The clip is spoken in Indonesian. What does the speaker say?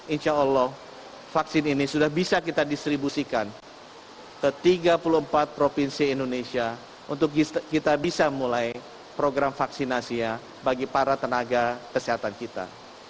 insya allah vaksin ini sudah bisa kita distribusikan ke tiga puluh empat provinsi indonesia untuk kita bisa mulai program vaksinasinya bagi para tenaga kesehatan kita